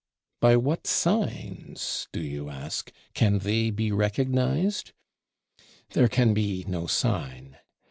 By what signs, do you ask, can they be recognized? There can be no sign.